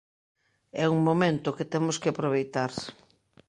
É un momento que temos que aproveitar.